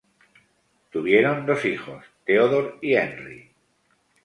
Tuvieron dos hijos, Theodore y Henry.